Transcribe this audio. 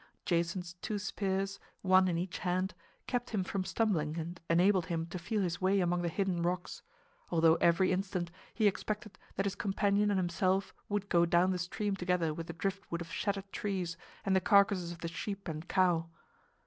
Jason's two spears, one in each hand, kept him from stumbling and enabled him to feel his way among the hidden rocks; although every instant he expected that his companion and himself would go down the stream together with the driftwood of shattered trees and the carcasses of the sheep and cow.